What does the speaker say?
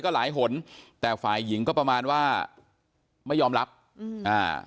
ก็หลายหนแต่ฝ่ายหญิงก็ประมาณว่าไม่ยอมรับอืมอ่า